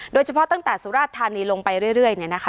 ตั้งแต่สุราชธานีลงไปเรื่อยเนี่ยนะคะ